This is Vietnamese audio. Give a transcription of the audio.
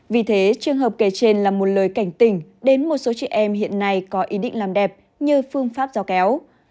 vì thế trường hợp kể trên là một lời cảnh tỉnh đến một số chị em hiện nay có ý định làm đẹp như phương pháp giao kéo